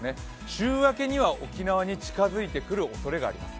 週明けには沖縄に近づいてくるおそれがあります。